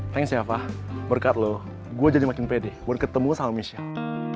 thanks ya fah berkat lo gue jadi makin pede buat ketemu sama michelle